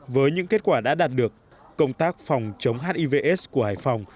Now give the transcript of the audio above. với những kết quả đã đạt được công tác phòng chống hiv aids của hải phòng